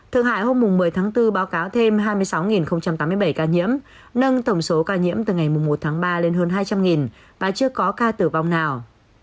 thượng hải hôm một mươi tháng bốn báo cáo thêm hai mươi sáu tám mươi bảy ca nhiễm nâng tổng số ca nhiễm từ ngày một tháng ba lên hơn hai trăm linh và chưa có ca tử vong nào